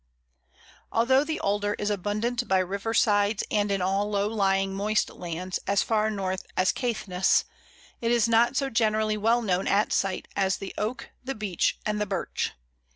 Although the Alder is abundant by riversides and in all low lying moist lands as far north as Caithness, it is not so generally well known at sight as the Oak, the Beech, and the Birch.